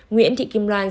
nguyễn thị kim loan